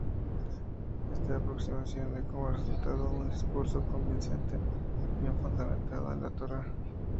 Esta aproximación da como resultado un discurso convincente, bien fundamentado en la Torá.